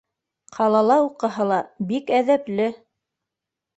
Ҡалала уҡыһа ла, бик әҙәпле.